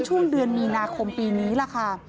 ช่วงเดือนมีนาคมปีนี้ล่ะค่ะ